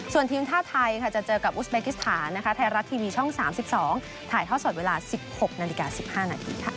ส่วนทีมท่าไทยจะเจอกับอุสเบกิสถานไทยรัฐทีวีช่อง๓๒ถ่ายท่อสดเวลา๑๖น๑๕น